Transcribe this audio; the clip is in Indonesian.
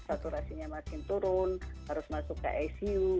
saturasinya makin turun harus masuk ke icu